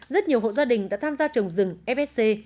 rất nhiều hộ gia đình đã tham gia trồng rừng fsc